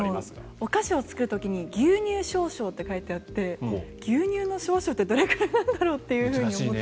お菓子を作る時に牛乳少々って書いてあって牛乳の少々ってどれぐらいなんだろうって思って。